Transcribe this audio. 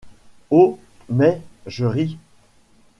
Oh ! mais, je ris.